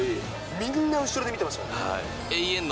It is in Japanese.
みんな、後ろで見てましたもんね。